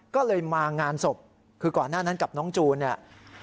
ก็เลยมางานศพคือก่อนหน้านั้นกับน้องจูนเนี่ย